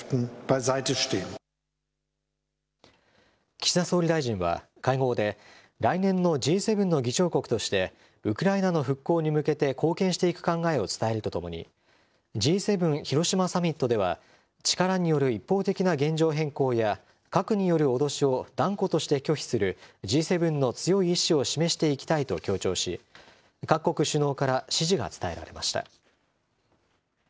岸田総理大臣は、会合で、来年のＧ７の議長国として、ウクライナの復興に向けて貢献していく考えを伝えるとともに、Ｇ７広島サミットでは、力による一方的な現状変更や、核による脅しを断固として拒否する、Ｇ７の強い意思を示していきたいと強調し、各国首脳から支持が伝えられました。